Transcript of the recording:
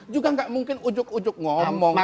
juga nggak mungkin ujuk ujuk ngomong